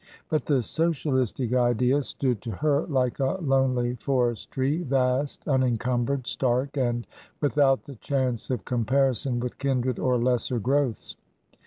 But the socialistic idea stood to her like a lonely forest tree, vast, unencumbered, stark, and without the chance of com parison with kindred or lesser growths.